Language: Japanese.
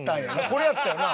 これやったよな。